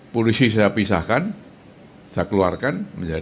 polisi saya pisahkan saya keluarkan